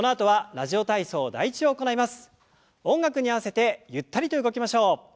音楽に合わせてゆったりと動きましょう。